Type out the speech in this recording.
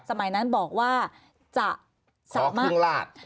สมัยนั้นบอกว่าจะสามารถขอเครื่องราช